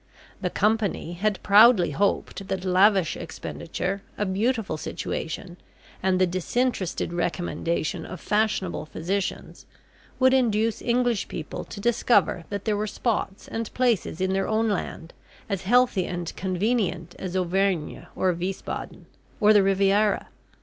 The Company had proudly hoped that lavish expenditure, a beautiful situation, and the disinterested recommendation of fashionable physicians, would induce English people to discover that there were spots and places in their own land as healthy and convenient as Auvergne, or Wiesbaden, or the Riviera.